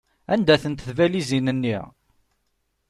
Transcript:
Anda-tent tbalizin-nni?